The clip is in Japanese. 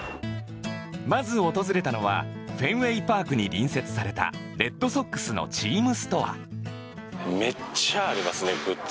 まず訪れたのはフェンウェイパークに隣接されたレッドソックスのチームストアめっちゃありますねグッズ。